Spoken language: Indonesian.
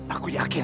aku di akhir